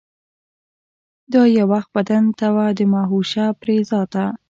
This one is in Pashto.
دا یو وخت بدن و د مهوشه پرې ذاته